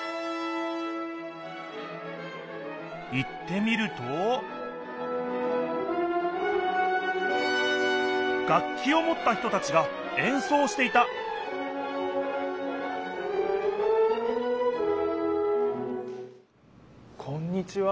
行ってみると楽きをもった人たちがえんそうをしていたこんにちは。